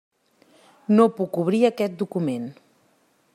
No puc obrir aquest document.